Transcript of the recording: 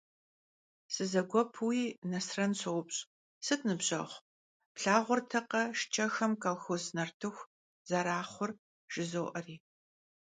Sızeguepui Nesren soupş' :- Sıt, nıbjeğu, plhağurtekhe şşç'exem kolxoz nartıxur zeraxhur? - jjızo'eri.